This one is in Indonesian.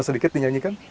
bisa sedikit dinyanyikan